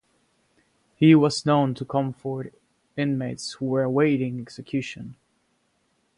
He was known to comfort inmates who were awaiting execution.